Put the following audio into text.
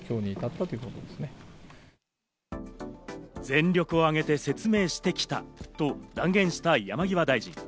全力を挙げて説明してきたと断言した山際大臣。